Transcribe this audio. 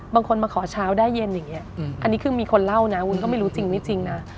บางคนมาขอเช้าได้เย็นอย่างนี้อันนี้คือมีคนเล่านะวุ้นก็ไม่รู้จริงไม่จริงนะ